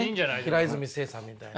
平泉成さんみたいな。